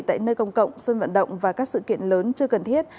tại nơi công cộng sân vận động và các sự kiện lớn chưa cần thiết